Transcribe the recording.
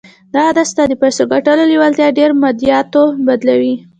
دا عادت ستاسې د پيسو ګټلو لېوالتیا پر ماديياتو بدلوي.